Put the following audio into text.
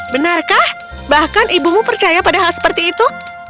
benarkah bahkan ibumu percaya pada hal seperti itu